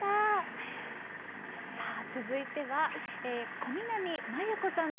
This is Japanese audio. さあ続いては小南満佑子さんです。